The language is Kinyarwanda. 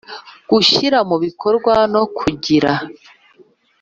Gushyira mu bikorwa no kugira